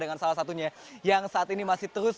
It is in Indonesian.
dengan salah satunya yang saat ini masih terus